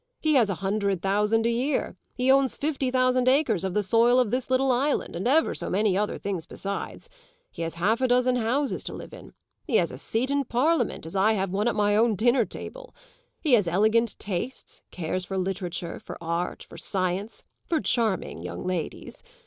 He has a hundred thousand a year. He owns fifty thousand acres of the soil of this little island and ever so many other things besides. He has half a dozen houses to live in. He has a seat in Parliament as I have one at my own dinner table. He has elegant tastes cares for literature, for art, for science, for charming young ladies.